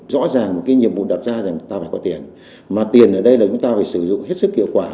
rõ ràng một cái nhiệm vụ đặt ra rằng chúng ta phải có tiền mà tiền ở đây là chúng ta phải sử dụng hết sức hiệu quả